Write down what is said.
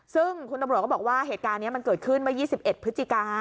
ซึ่งคุณตำรวจก็บอกว่าเหตุการณ์นี้มันเกิดขึ้นเมื่อ๒๑พฤศจิกา